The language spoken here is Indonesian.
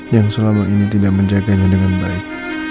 yang selama ini tidak menjaganya dengan baik